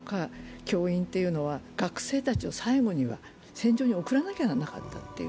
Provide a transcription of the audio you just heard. その間に例えば総長だとか教員は学生たちを最後には戦場に送らなきゃならなかったという。